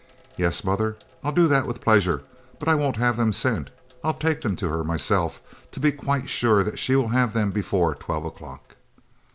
"Yes, mother, I'll do that with pleasure, but I won't have them sent. I'll take them to her myself to be quite sure that she will have them before twelve o'clock."